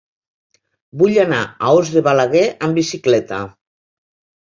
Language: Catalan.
Vull anar a Os de Balaguer amb bicicleta.